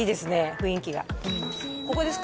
雰囲気がここですか？